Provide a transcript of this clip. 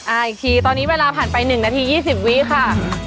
อีกทีตอนนี้เวลาผ่านไป๑นาที๒๐วิค่ะ